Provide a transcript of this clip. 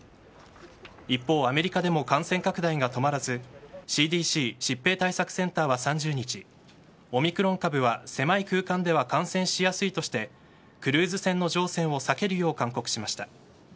一方、アメリカでも感染拡大が止まらずＣＤＣ・疾病対策センターは３０日オミクロン株は狭い空間では感染しやすいとしてクルーズ船の乗船を避けるよう勧告しました。